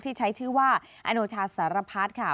ที่ใช้ชื่อว่าอนุชาสารพาตค่ะ